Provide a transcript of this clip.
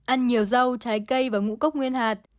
ăn nhiều rau trái cây và ngũ cốc nguyên hạt